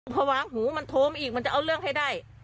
พอวางหูมันโทรมาอีกมันจะเอาเรื่องให้ได้